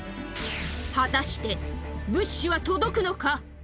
果たして、物資は届くのか？